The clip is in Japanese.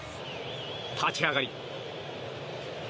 立ち上がり。